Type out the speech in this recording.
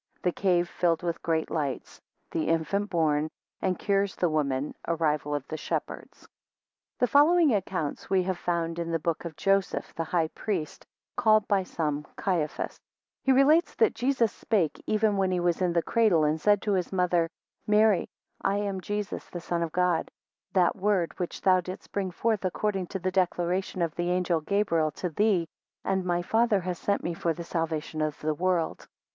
The cave filled with great lights. 11 The infant born, 17 and cures the woman. 19 Arrival of the shepherds. THE following accounts we found in the book of Joseph the high priest, called by some Caiphas: 2 He relates, that Jesus spake even when he was in the cradle, and said to his mother: 3 Mary, I am Jesus the Son of God, that word, which thou didst bring forth according to the declaration of the angel Gabriel to thee, and my father hath sent me for the salvation of the world.